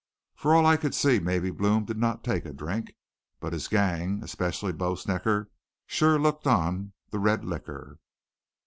For all I could see maybe Blome did not take a drink. But his gang, especially Bo Snecker, sure looked on the red liquor.